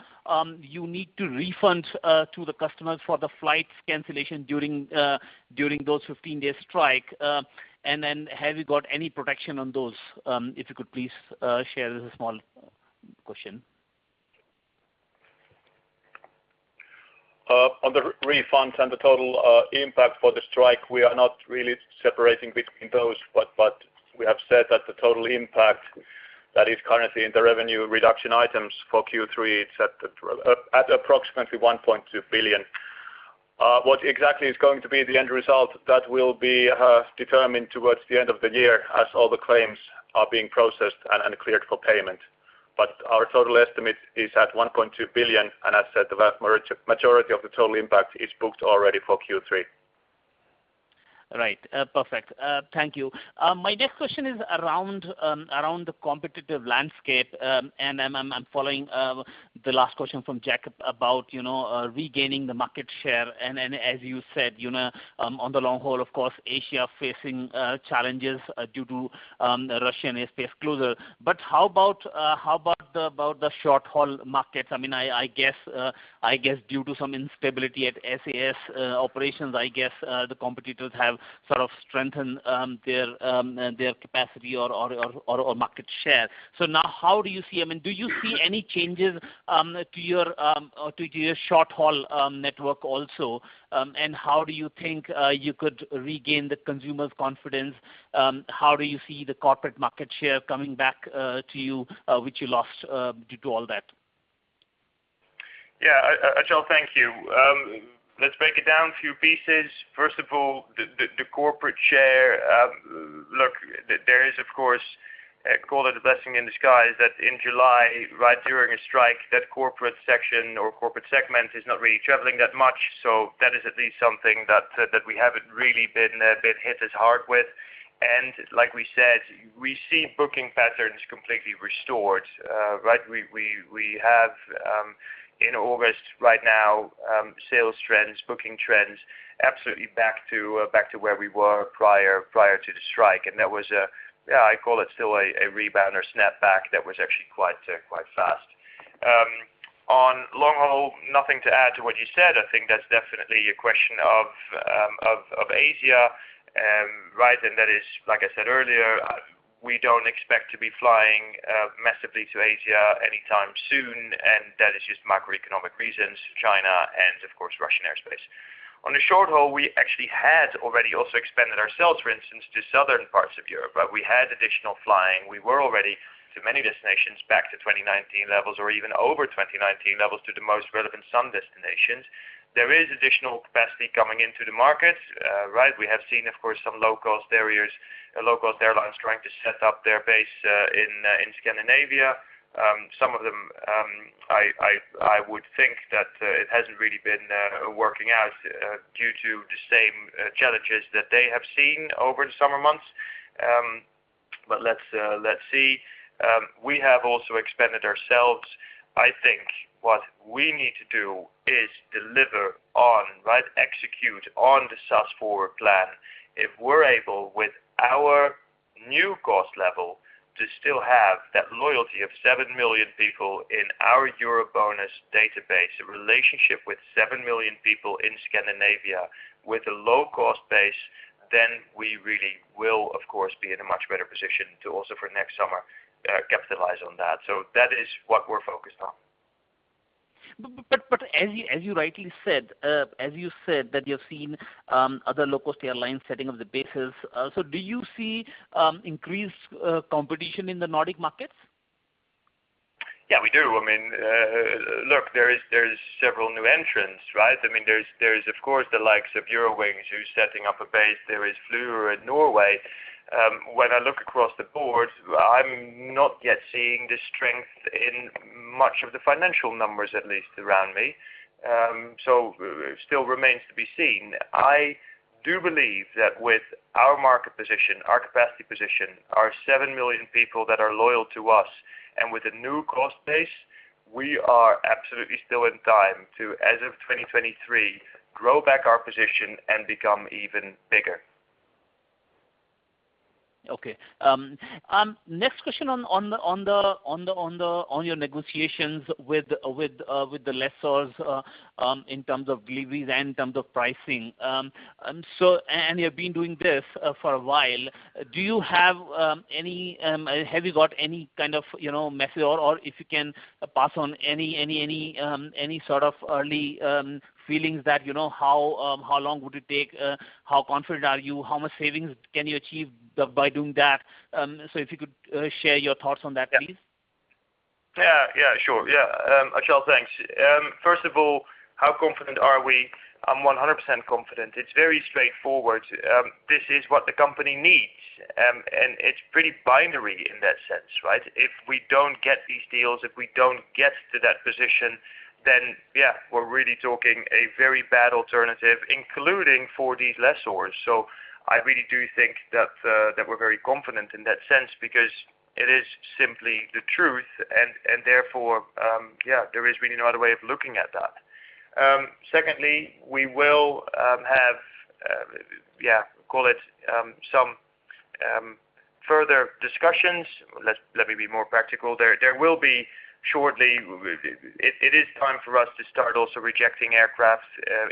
you need to refund to the customers for the flight cancellation during those 15-day strike? Have you got any protection on those? If you could please share. This is a small question. On the refunds and the total impact for the strike, we are not really separating between those, but we have said that the total impact that is currently in the revenue reduction items for Q3, it's at approximately 1.2 billion. What exactly is going to be the end result? That will be determined towards the end of the year as all the claims are being processed and cleared for payment. But our total estimate is at 1.2 billion, and as said, the vast majority of the total impact is booked already for Q3. Right. Perfect. Thank you. My next question is around the competitive landscape. I'm following the last question from Jacob about, you know, regaining the market share. As you said, you know, on the long haul, of course, Asia facing challenges due to Russian airspace closure. How about the short-haul markets? I mean, I guess due to some instability at SAS operations, I guess, the competitors have sort of strengthened their capacity or market share. Now how do you see them? Do you see any changes to your short-haul network also? How do you think you could regain the consumer's confidence? How do you see the corporate market share coming back to you, which you lost due to all that? Yeah. Achal, thank you. Let's break it down a few pieces. First of all, the corporate share. Look, there is, of course, call it a blessing in disguise that in July, right during a strike, that corporate section or corporate segment is not really traveling that much. That is at least something that we haven't really been hit as hard with. Like we said, we see booking patterns completely restored. Right? We have in August right now sales trends, booking trends, absolutely back to where we were prior to the strike. That was, yeah, I call it still a rebound or snapback that was actually quite fast. On long haul, nothing to add to what you said. I think that's definitely a question of Asia, right? That is, like I said earlier, we don't expect to be flying massively to Asia anytime soon, and that is just macroeconomic reasons, China and of course, Russian airspace. On the short-haul, we actually had already also expanded ourselves, for instance, to southern parts of Europe. We had additional flying. We were already to many destinations back to 2019 levels or even over 2019 levels to the most relevant sun destinations. There is additional capacity coming into the market. Right? We have seen, of course, some low-cost carriers, low-cost airlines trying to set up their base in Scandinavia. Some of them I would think that it hasn't really been working out due to the same challenges that they have seen over the summer months. Let's see. We have also expanded ourselves. I think what we need to do is deliver on, right, execute on the SAS FORWARD plan. If we're able, with our new cost level, to still have that loyalty of 7 million people in our EuroBonus database, a relationship with 7 million people in Scandinavia with a low-cost base, then we really will, of course, be in a much better position to also, for next summer, capitalize on that. That is what we're focused on. As you rightly said, as you said that you're seeing other low-cost airlines setting up the bases, so do you see increased competition in the Nordic markets? Yeah, we do. I mean, look, there's several new entrants, right? I mean, there is, of course, the likes of Eurowings who's setting up a base. There is Flyr in Norway. When I look across the board, I'm not yet seeing the strength in much of the financial numbers, at least around me. Still remains to be seen. I do believe that with our market position, our capacity position, our 7 million people that are loyal to us, and with the new cost base, we are absolutely still in time to, as of 2023, grow back our position and become even bigger. Okay. Next question on your negotiations with the lessors in terms of leases and in terms of pricing. You have been doing this for a while. Have you got any kind of, you know, method or if you can pass on any sort of early feelings that, you know, how long would it take, how confident are you? How much savings can you achieve by doing that? If you could share your thoughts on that, please. Sure. Achal, thanks. First of all, how confident are we? I'm 100% confident. It's very straightforward. This is what the company needs. It's pretty binary in that sense, right? If we don't get these deals, if we don't get to that position, then we're really talking a very bad alternative, including for these lessors. I really do think that we're very confident in that sense because it is simply the truth. Therefore, there is really no other way of looking at that. Secondly, we will have, call it, some further discussions. Let me be more practical there. There will be shortly. It is time for us to start also rejecting aircraft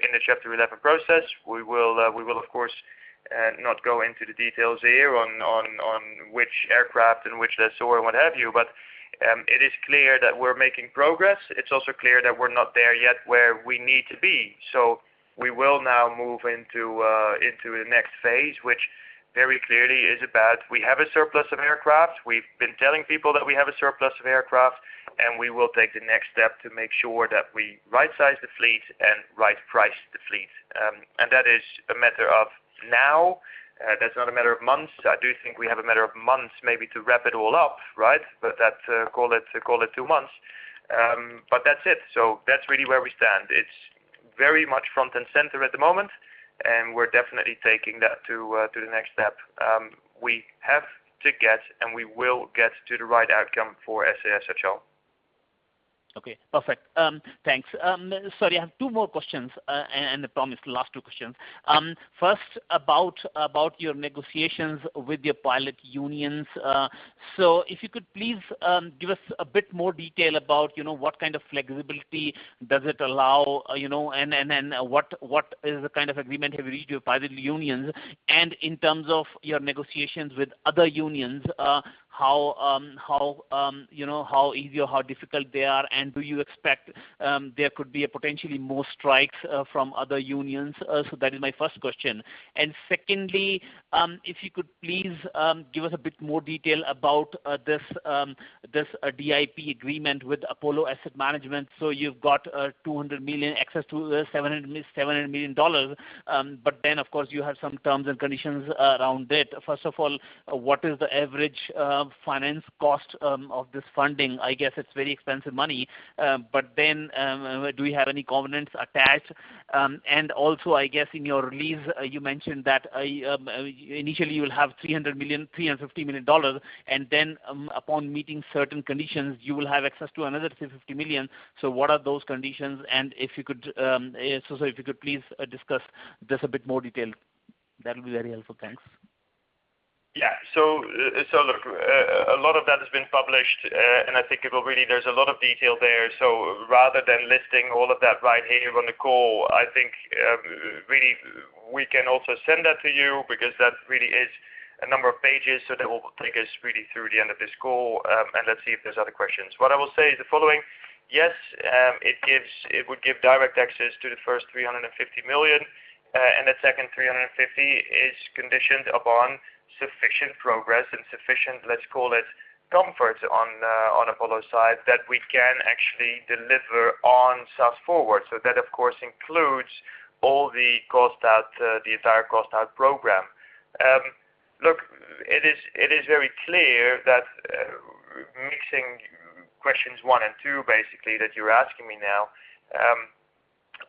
in the Chapter 11 process. We will of course not go into the details here on which aircraft and which lessor and what have you. It is clear that we're making progress. It's also clear that we're not there yet where we need to be. We will now move into the next phase, which very clearly is about we have a surplus of aircraft. We've been telling people that we have a surplus of aircraft, and we will take the next step to make sure that we right-size the fleet and right-price the fleet. That is a matter of now. That's not a matter of months. I do think we have a matter of months maybe to wrap it all up, right? That's call it two months. That's it. That's really where we stand. It's very much front and center at the moment, and we're definitely taking that to the next step. We have to get, and we will get to the right outcome for SAS, Achal. Okay, perfect. Thanks. Sorry, I have two more questions, and I promise the last two questions. First about your negotiations with your pilot unions. So if you could please give us a bit more detail about, you know, what kind of flexibility does it allow, you know, and what is the kind of agreement have you reached with your pilot unions? In terms of your negotiations with other unions, how, you know, how easy or how difficult they are, and do you expect there could be potentially more strikes from other unions? So that is my first question. Secondly, if you could please give us a bit more detail about this DIP agreement with Apollo Global Management. You've got $200 million access to the $700 million. Of course, you have some terms and conditions around it. First of all, what is the average finance cost of this funding? I guess it's very expensive money. Do we have any covenants attached? And also, I guess in your release, you mentioned that initially you will have $350 million, and then, upon meeting certain conditions, you will have access to another $350 million. What are those conditions? And if you could please discuss this a bit more detail, that'll be very helpful. Thanks. Yeah. Look, a lot of that has been published, and I think there's a lot of detail there. Rather than listing all of that right here on the call, I think we can also send that to you because that really is a number of pages. That will take us really through the end of this call, and let's see if there's other questions. What I will say is the following: Yes, it would give direct access to the first $ 350 million, and the second $ 350 million is conditioned upon sufficient progress and sufficient, let's call it comfort on Apollo side, that we can actually deliver on SAS FORWARD. That, of course, includes all the cost out, the entire cost out program. Look, it is very clear that mixing questions one and two, basically, that you're asking me now.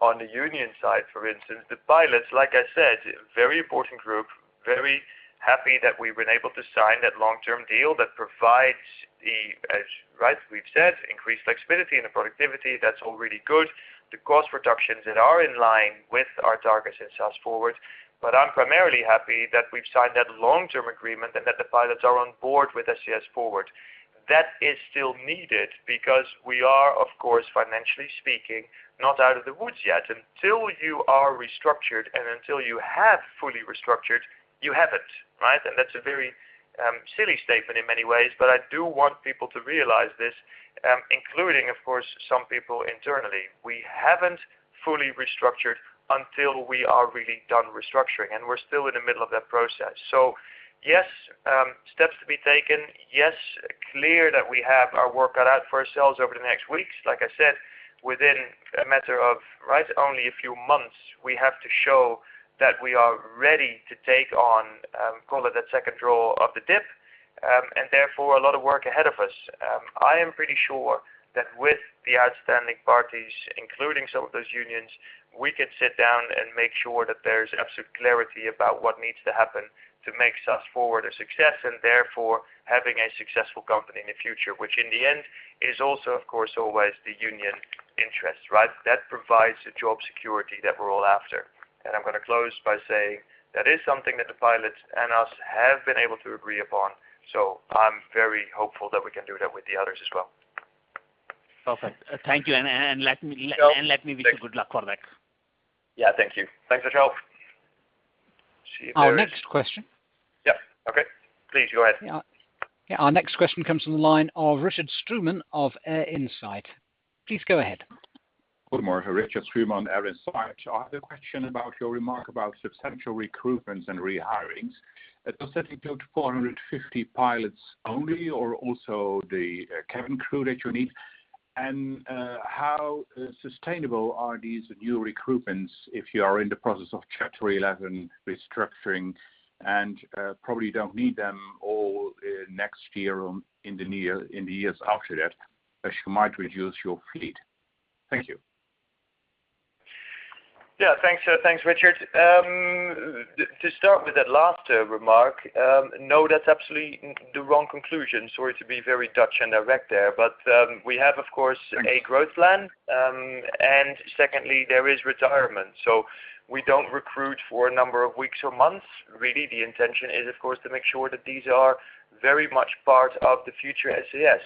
On the union side, for instance, the pilots, like I said, very important group, very happy that we've been able to sign that long-term deal that provides the, as right, we've said, increased flexibility and the productivity. That's all really good. The cost reductions that are in line with our targets in SAS FORWARD. I'm primarily happy that we've signed that long-term agreement and that the pilots are on board with SAS FORWARD. That is still needed because we are, of course, financially speaking, not out of the woods yet. Until you are restructured and until you have fully restructured, you haven't, right? That's a very silly statement in many ways, but I do want people to realize this, including, of course, some people internally. We haven't fully restructured until we are really done restructuring, and we're still in the middle of that process. Yes, steps to be taken. Yes, clear that we have our work cut out for ourselves over the next weeks. Like I said, within a matter of, right, only a few months, we have to show that we are ready to take on, call it that second draw of the DIP, and therefore, a lot of work ahead of us. I am pretty sure that with the outstanding parties, including some of those unions, we can sit down and make sure that there's absolute clarity about what needs to happen to make SAS FORWARD a success, and therefore having a successful company in the future, which in the end is also, of course, always the union interest, right? That provides the job security that we're all after. I'm gonna close by saying that is something that the pilots and us have been able to agree upon. I'm very hopeful that we can do that with the others as well. Perfect. Thank you. Let me Achal, thank you. Let me wish you good luck for that. Yeah. Thank you. Thanks, Achal. See if there is. Our next question. Yep. Okay, please go ahead. Yeah. Yeah. Our next question comes from the line of Richard Schuurman of Air Insight. Please go ahead. Good morning. Richard Schuurman, Air Insight. I have a question about your remark about substantial recruitments and rehirings. Does that include 450 pilots only or also the cabin crew that you need? How sustainable are these new recruitments if you are in the process of Chapter 11 restructuring and probably don't need them all next year or in the years after that, as you might reduce your fleet? Thank you. Yeah, thanks, Richard. To start with that last remark, no, that's absolutely the wrong conclusion. Sorry to be very Dutch and direct there, but we have, of course- Okay a growth plan. Secondly, there is retirement. We don't recruit for a number of weeks or months. Really, the intention is, of course, to make sure that these are very much part of the future SAS.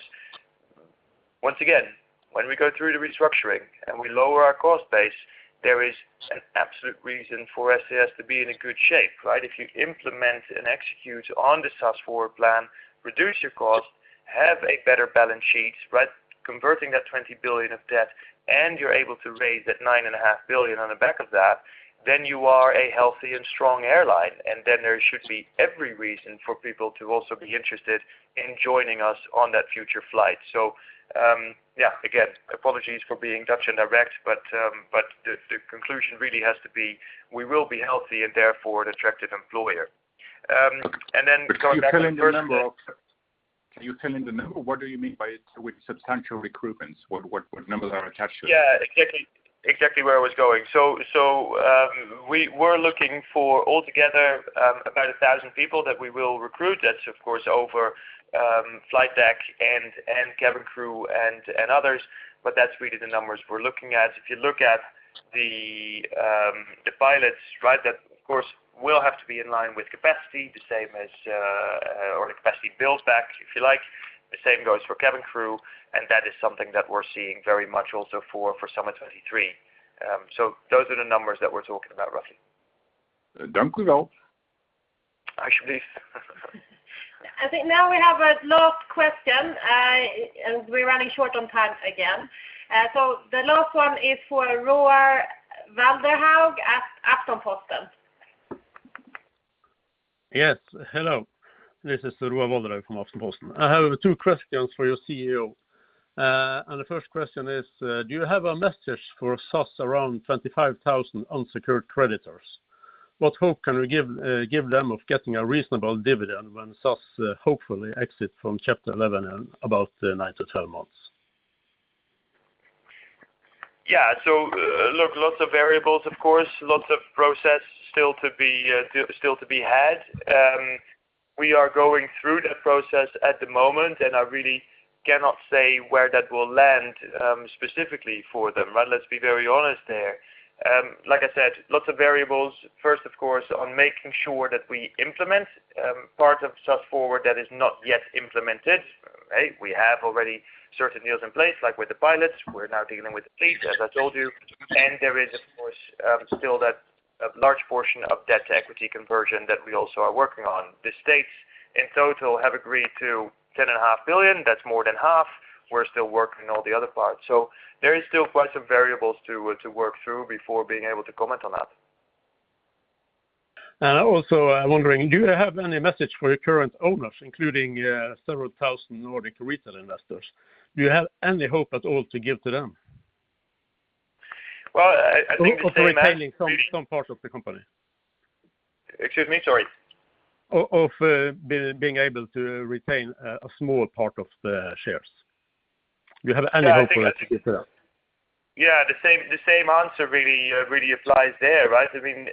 Once again, when we go through the restructuring and we lower our cost base, there is an absolute reason for SAS to be in a good shape, right? If you implement and execute on the SAS FORWARD plan, reduce your cost, have a better balance sheet, right? Converting that 20 billion of debt, and you're able to raise that 9.5 billion on the back of that, then you are a healthy and strong airline. Then there should be every reason for people to also be interested in joining us on that future flight. Yeah, again, apologies for being Dutch and direct, but the conclusion really has to be, we will be healthy and therefore an attractive employer. Going back on the first- Can you tell me the number? What do you mean by with substantial recruitments? What numbers are attached to it? Yeah. Exactly where I was going. We're looking for altogether about 1,000 people that we will recruit. That's of course over flight deck and cabin crew and others, but that's really the numbers we're looking at. If you look at the pilots, right? That of course will have to be in line with capacity the same as or the capacity builds back, if you like. The same goes for cabin crew, and that is something that we're seeing very much also for summer 2023. Those are the numbers that we're talking about, roughly. Dank u wel. Asjeblieft. I think now we have a last question. We're running short on time again. The last one is for Roar Valderhaug at Aftenposten. Yes, hello. This is Roar Valderhaug from Aftenposten. I have two questions for your CEO. The first question is, do you have a message for SAS around 25,000 unsecured creditors? What hope can we give them of getting a reasonable dividend when SAS hopefully exit from Chapter 11 in about nine-12 months? Yeah. Look, lots of variables, of course. Lots of process still to be had. We are going through that process at the moment, and I really cannot say where that will land, specifically for them, right? Let's be very honest there. Like I said, lots of variables. First, of course, on making sure that we implement part of SAS FORWARD that is not yet implemented, right? We have already certain deals in place, like with the pilots. We're now dealing with the fleet, as I told you. There is, of course, still that large portion of debt-to-equity conversion that we also are working on. The states, in total, have agreed to 10.5 billion. That's more than half. We're still working all the other parts. There is still quite some variables to work through before being able to comment on that. I also am wondering, do you have any message for your current owners, including, several thousand Nordic retail investors? Do you have any hope at all to give to them? Well, I think the same. Of retaining some part of the company. Excuse me, sorry. Of being able to retain a small part of the shares. Do you have any hope for that to get that? Yeah, the same answer really applies there, right? I mean,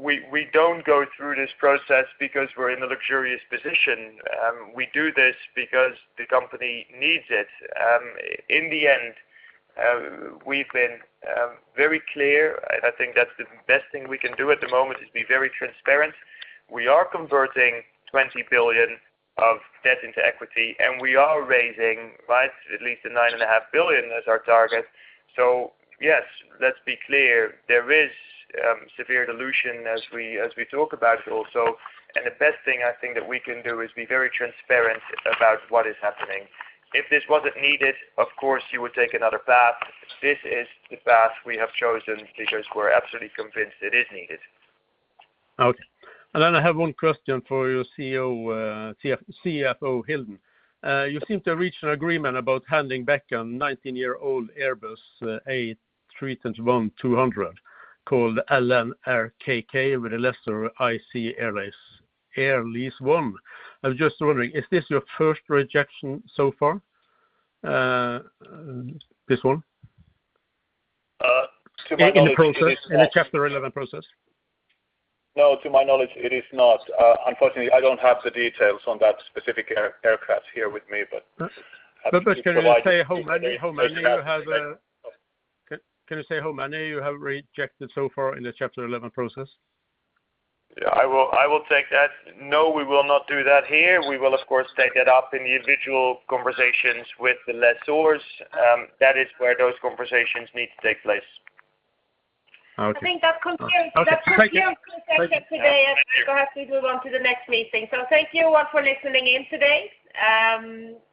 we don't go through this process because we're in a luxurious position. We do this because the company needs it. In the end, we've been very clear, and I think that's the best thing we can do at the moment is be very transparent. We are converting 20 billion of debt-into equity, and we are raising, right, at least 9.5 billion as our target. Yes, let's be clear, there is severe dilution as we talk about it also. The best thing I think that we can do is be very transparent about what is happening. If this wasn't needed, of course, you would take another path. This is the path we have chosen because we're absolutely convinced it is needed. I have one question for your CEO, CFO Erno Hildén. You seem to reach an agreement about handing back a 19-year-old Airbus A321-200 called LN-RKK with a lessor ICBC Aviation Leasing. I was just wondering, is this your first rejection so far, this one? To my knowledge, it is not. In the process, in the Chapter 11 process. No, to my knowledge, it is not. Unfortunately, I don't have the details on that specific aircraft here with me, but Can you say how many you have rejected so far in the Chapter 11 process? Yeah, I will take that. No, we will not do that here. We will, of course, take it up in the individual conversations with the lessors. That is where those conversations need to take place. Okay. I think that concludes. Okay. Thank you. That concludes the session today as we have to move on to the next meeting. Thank you all for listening in today.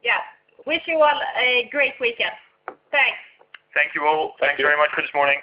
Yeah. Wish you all a great weekend. Thanks. Thank you all. Thanks very much for this morning.